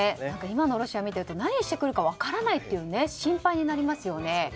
今のロシアを見てると何をしてくるか分からないという心配になりますよね。